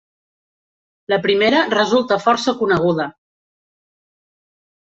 La primera resulta força coneguda.